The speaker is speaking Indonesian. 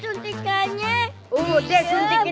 suntikannya malah kaget